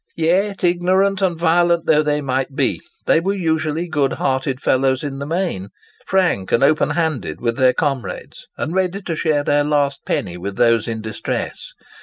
Yet, ignorant and violent though they might be, they were usually good hearted fellows in the main—frank and openhanded with their comrades, and ready to share their last penny with those in distress.